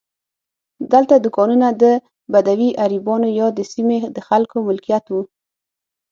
دلته دوکانونه د بدوي عربانو یا د سیمې د خلکو ملکیت وو.